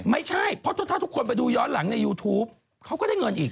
ไม่ใช่เพราะถ้าทุกคนไปดูย้อนหลังในยูทูปเขาก็ได้เงินอีก